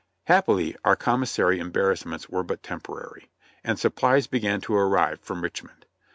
Happily our commissary embarrassments were but temporary, and supplies began to arrive from Richmond.